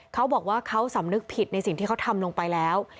เขาบอกว่าเขาสำนึกผิดในสิ่งที่เขาทำลงไปแล้ว